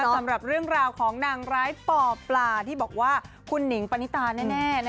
มาธิบายต่อกับเรื่องราวของนางเปาะปลาที่บอกว่าคุณหนิ่งประณิตาแน่